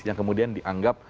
yang kemudian dianggap